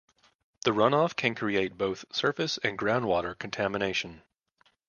The runoff can create both surface and groundwater contamination.